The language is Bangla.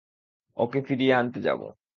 ওকে ফিরিয়ে আনতে যাবো।